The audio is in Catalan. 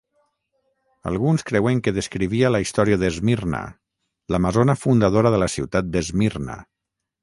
Alguns creuen que descrivia la història d'Esmirna, l'amazona fundadora de la ciutat d'Esmirna.